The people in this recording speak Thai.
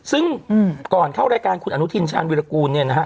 ซึ่งก่อนเข้ารายการคุณอนุทินชาญวิรากูลเนี่ยนะฮะ